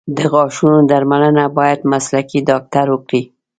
د غاښونو درملنه باید مسلکي ډاکټر وکړي.